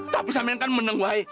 tapi saya yang kan meneng woy